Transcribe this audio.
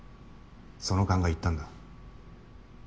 その勘が言ったんだ。